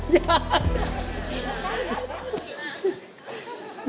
ยาย